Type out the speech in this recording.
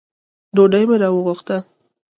ډوډۍ مي راوغوښته .